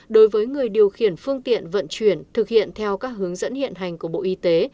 đối với người điều khiển phương tiện vận chuyển thực hiện theo các hướng dẫn hiện hành của bộ y tế